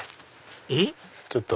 えっ？